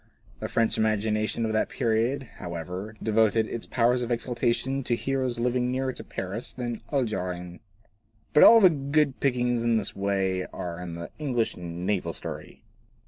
The French imagination of that period, how ever, devoted its powers of exaltation to heroes living nearer to Paris than the Algerines. But all the good pickings in this way are in the English naval story.